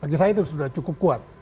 bagi saya itu sudah cukup kuat